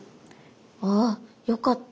あよかった。